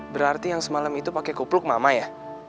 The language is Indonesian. berarti yang semalam itu pakai kupluk mama ya